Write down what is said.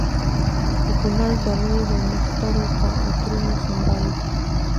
د کنر درې د نښترو په عطرونو سمبال دي.